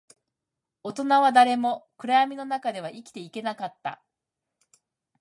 大人は誰も暗闇の中では生きていけなかった